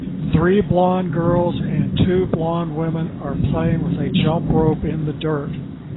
Three blond girls and two blond women are playing with a jump rope in the dirt